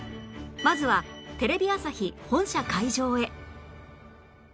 まずはテレビ朝日本社会場へ